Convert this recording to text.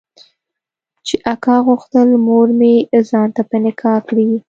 چې اکا غوښتل مورمې ځان ته په نکاح کړي.